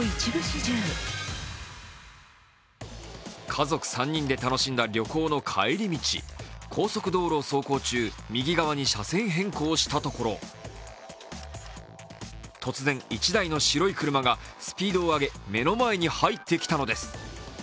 家族３人で楽しんだ旅行の帰り道高速道路を走行中右側に車線変更したところ突然、１台の白い車がスピードを上げ目の前に入ってきたのです。